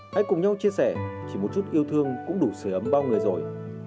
hãy cùng nhau chia sẻ chỉ một chút yêu thương cũng đủ sửa ấm bao người rồi